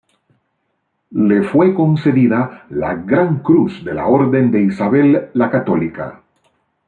Le fue concedida la gran cruz de la Orden de Isabel la Católica.